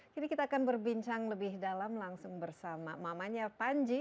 kini kita akan berbincang lebih dalam langsung bersama mamanya panji